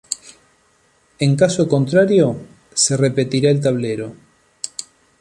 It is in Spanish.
En caso contrario, se repetirá el tablero.